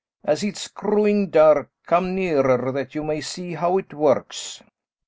As it's growing dark, come nearer that you may see how it works."